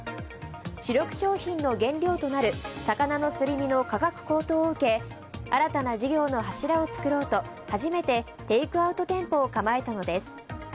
主力商品の原料となる魚のすり身の価格高騰を受け新たな事業の柱を作ろうと初めてテイクアウト店舗を構えたのです。